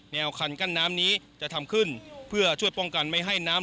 คันกั้นน้ำนี้จะทำขึ้นเพื่อช่วยป้องกันไม่ให้น้ำ